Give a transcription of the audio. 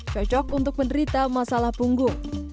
cocok untuk menderita masalah punggung